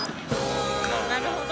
あなるほど。